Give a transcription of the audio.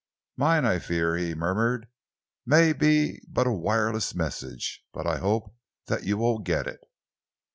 "Mine, I fear," he murmured, "may be but a wireless message, but I hope that you will get it."